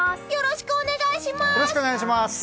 よろしくお願いします！